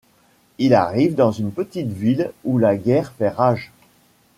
Il arrive dans une petite ville où la guerre fait rage.